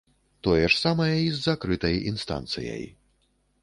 Тое ж самае і з закрытай інстанцыяй.